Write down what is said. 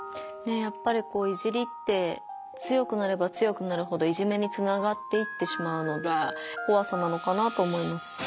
やっぱり「いじり」って強くなれば強くなるほどいじめにつながっていってしまうのがこわさなのかなと思います。